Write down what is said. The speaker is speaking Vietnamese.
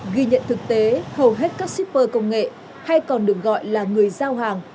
ghi nhận thực tế hầu hết các shipper công nghệ hay còn được gọi là người giao hàng